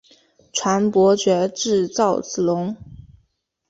传伯爵至赵之龙。